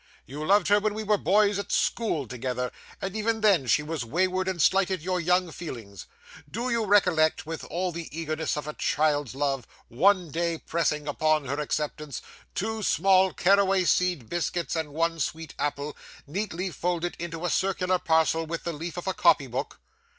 You loved her when we were boys at school together, and, even then, she was wayward and slighted your young feelings. Do you recollect, with all the eagerness of a child's love, one day pressing upon her acceptance, two small caraway seed biscuits and one sweet apple, neatly folded into a circular parcel with the leaf of a copy book?